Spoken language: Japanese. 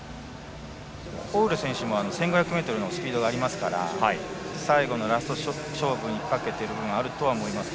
オウレ選手も１５００ｍのスピードがありますから最後のラスト勝負にかけている部分があると思いますが。